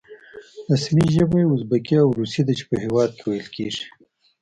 رسمي ژبه یې ازبکي او روسي ده چې په هېواد کې ویل کېږي.